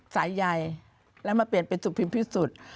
สายใยแล้วมาเปลี่ยนเป็นสูบพิมพ์ที่สุด